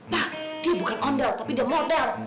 pak dia bukan ondel tapi dia modal